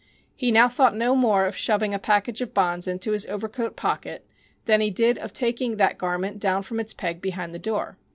He now thought no more of shoving a package of bonds into his overcoat pocket than he did of taking that garment down from its peg behind the door.